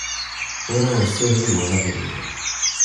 Ur awen-ssihriweɣ abrid.